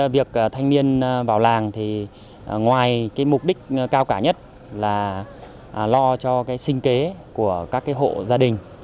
việc thanh niên vào làng thì ngoài mục đích cao cả nhất là lo cho sinh kế của các hộ gia đình